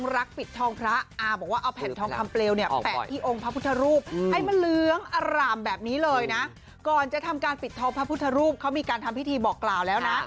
ให้มันเหลืองอร่ามแบบนี้เลยนะก่อนจะทำการปิดท้องพระพุทธรูปเขามีการทำพิธีบอกกล่าวแล้วนะ